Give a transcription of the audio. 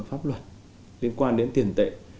pháp luật liên quan đến tiền tệ